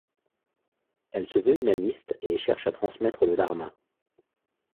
Elle se veut humaniste et cherche à transmettre le dharma.